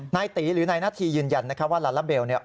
นายตีหรือนายนาธียืนยันนะครับว่าลาลาเบลเนี่ย